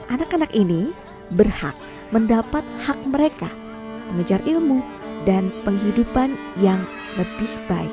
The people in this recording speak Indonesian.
anak anak ini berhak mendapat hak mereka mengejar ilmu dan penghidupan yang lebih baik